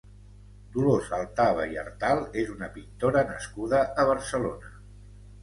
Dolors Altaba i Artal és una pintora nascuda a Barcelona.